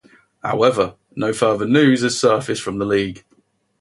However, no further news has surfaced from the league.